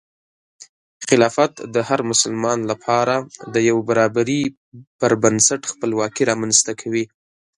خلافت د هر مسلمان لپاره د یو برابري پر بنسټ خپلواکي رامنځته کوي.